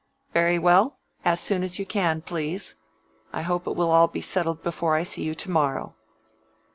"Very well. As soon as you can, please. I hope it will all be settled before I see you to morrow."